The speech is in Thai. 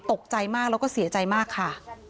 ตกใจมากแล้วก็เสียใจมากค่ะ